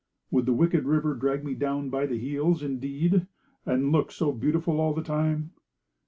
Would the wicked river drag me down by the heels, indeed? and look so beautiful all the time?